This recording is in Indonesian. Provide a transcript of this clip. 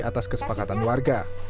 atas kesepakatan warga